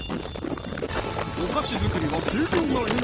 お菓子作りは計量が命！